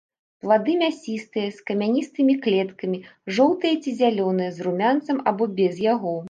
Плады мясістыя, з камяністымі клеткамі, жоўтыя ці зялёныя, з румянцам або без яго.